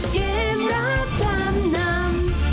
เกมรับทางน้ำ